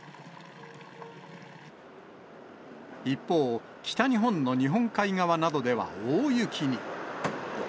一方、北日本の日本海側などでは大雪に。